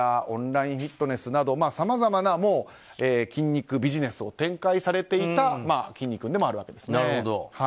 オンラインフィットネスなどさまざまな筋肉ビジネスを展開されていたきんに君でもあるわけですね。